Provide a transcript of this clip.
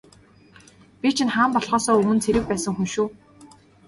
Би чинь хаан болохоосоо өмнө цэрэг байсан хүн шүү.